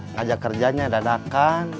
ngajak kerjanya dadakan